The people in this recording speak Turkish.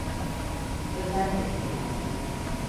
Özel teslimat.